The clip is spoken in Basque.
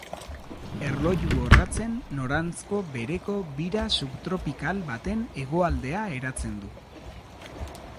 Erloju-orratzen noranzko bereko bira subtropikal baten hegoaldea eratzen du.